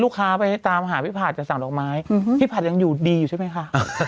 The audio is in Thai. ไปตามหาพี่ผัดจะสั่งดอกไม้พี่ผัดยังอยู่ดีอยู่ใช่ไหมคะ